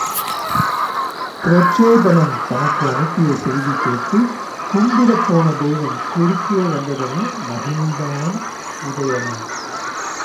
பிரச்சோதனன் தனக்கு அனுப்பிய செய்தி கேட்டு, கும்பிடப்போன தெய்வம் குறுக்கே வந்ததென மகிழ்ந்தான் உதயணன்.